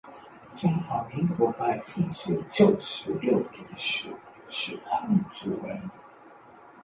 中华民国百分之九十六点四是汉族人